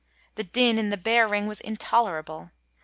The din in the bear ring was intolerable.